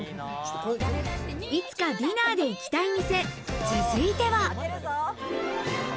いつかディナーで行きたい店、続いては。